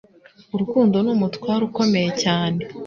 Urukundo ni umutware ukomeye cyane